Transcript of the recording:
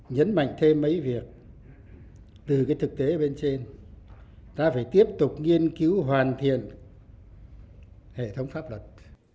nhấn mạnh thêm mấy việc từ cái thực tế bên trên ta phải tiếp tục nghiên cứu hoàn thiện hệ thống pháp luật